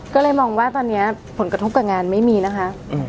ก็เลยมองว่าตอนนี้ผลกระทบกับงานไม่มีนะคะ